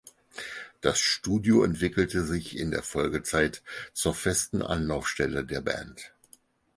Das Studio entwickelte sich in der Folgezeit zur festen Anlaufstelle der Band.